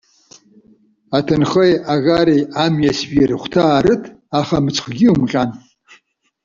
Аҭынхеи, аӷари, амҩасҩи рыхәҭаа рыҭ. Аха мыцхәгьы иумҟьан.